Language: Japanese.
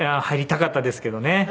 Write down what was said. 入りたかったですけどね。